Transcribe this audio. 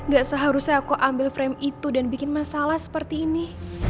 gak seharusnya aku ambil frame itu dan bikin masalah seperti ini